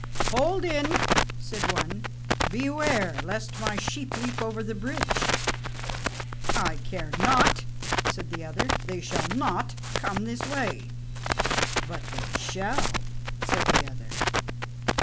"Hold in," said one; "beware lest my sheep leap over the bridge." "I care not," said the other; "they shall not come this way." "But they shall," said the other.